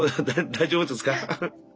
大丈夫です。